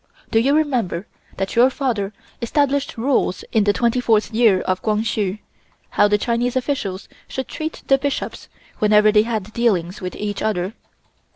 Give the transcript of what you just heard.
Do you remember that your father established rules in the twenty fourth year of Kwang Hsu, how the Chinese officials should treat the Bishops whenever they had dealings with each other?